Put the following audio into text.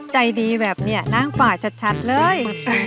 ใจดีแบบนี้นั่งฝ่าชัดเลย